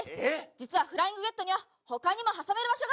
実は『フライングゲット』には他にも挟める場所があるんです！